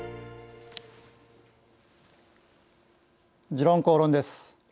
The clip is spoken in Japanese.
「時論公論」です。